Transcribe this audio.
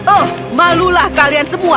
oh malulah kalian semua